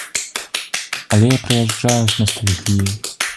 Але я прыязджаю з настальгіяй.